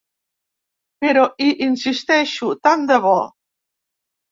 Però hi insisteixo, tant de bo!